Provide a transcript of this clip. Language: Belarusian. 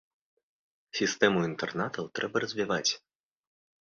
Сістэму інтэрнатаў трэба развіваць.